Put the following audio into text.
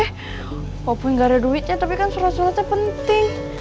walaupun gak ada duitnya tapi kan surat suratnya penting